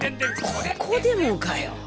ここでもかよ